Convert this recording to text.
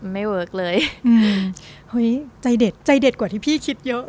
เวิร์คเลยอืมเฮ้ยใจเด็ดใจเด็ดกว่าที่พี่คิดเยอะ